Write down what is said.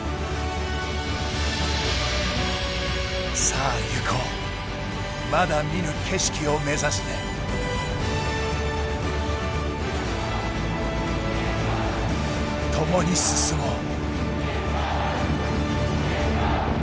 さあ、ゆこうまだ見ぬ景色を目指して。ともに進もう。